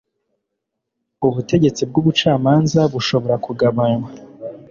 ubutegetsi bw ubucamanza bushobora kugabanywa